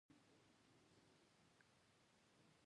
کلتور د ټولو افغانانو د ګټورتیا یوه ډېره مهمه او اساسي برخه ده.